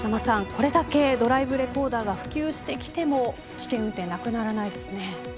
これだけドライブレコーダーが普及してきても危険運転、なくならないですね。